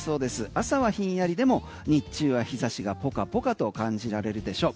朝はひんやりでも日中は日差しがポカポカと感じられるでしょう。